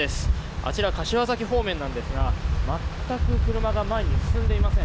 あちら、柏崎方面なんですが全く車が前に進んでいません。